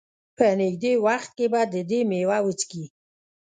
په نېږدې وخت کې به د دې مېوه وڅکي.